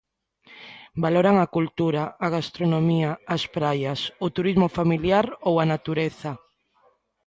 Valoran a cultura, a gastronomía, as praias, o turismo familiar ou a natureza.